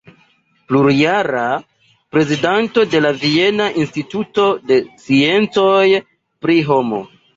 Plurjara prezidanto de la Viena Instituto de Sciencoj pri Homo.